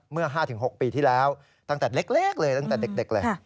เมื่อ๕๖ปีที่แล้วตั้งแต่เล็กเลยตั้งแต่เด็กเลย